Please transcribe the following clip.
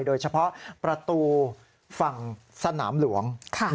โดยเฉพาะประตูฝั่งสนามหลวง